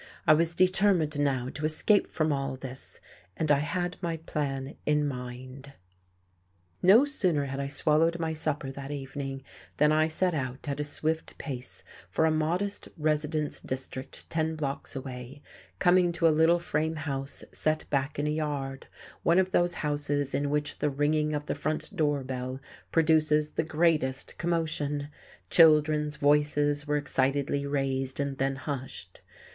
I was determined now to escape from all this, and I had my plan in mind. No sooner had I swallowed my supper that evening than I set out at a swift pace for a modest residence district ten blocks away, coming to a little frame house set back in a yard, one of those houses in which the ringing of the front door bell produces the greatest commotion; children's voices were excitedly raised and then hushed.